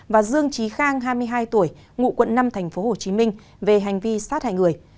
và dương trí khang hai mươi hai tuổi ngụ quận năm tp hcm về hành vi sát hại người